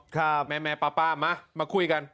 ค่ะแม่ป้ามามาคุยกัน